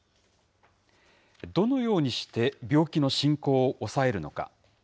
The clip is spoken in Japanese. どのようにして病気の進行を抑えるのか。